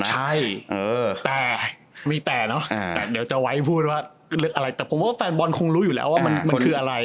ใช่แต่มีแต่เนอะแต่เดี๋ยวจะไว้พูดว่าอะไรแต่ผมว่าแฟนบอลคงรู้อยู่แล้วว่ามันคืออะไร